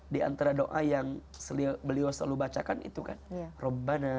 di antara kita ini adalah allah yang membutuhkan kita untuk menjaga kemampuan kita